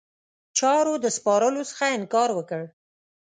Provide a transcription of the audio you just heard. چارو د سپارلو څخه انکار وکړ.